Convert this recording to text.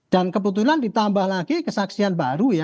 dan kebetulan ditambah lagi kesaksian baru ya